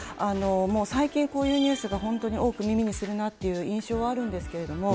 最近、こういうニュースが本当に多く耳にするなっていう印象はあるんですけれども。